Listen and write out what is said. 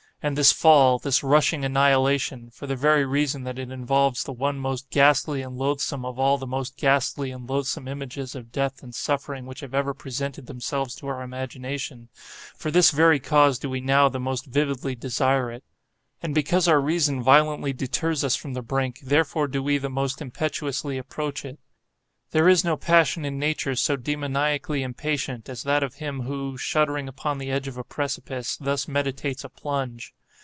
And this fall—this rushing annihilation—for the very reason that it involves that one most ghastly and loathsome of all the most ghastly and loathsome images of death and suffering which have ever presented themselves to our imagination—for this very cause do we now the most vividly desire it. And because our reason violently deters us from the brink, therefore do we the most impetuously approach it. There is no passion in nature so demoniacally impatient, as that of him who, shuddering upon the edge of a precipice, thus meditates a plunge.